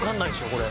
これ。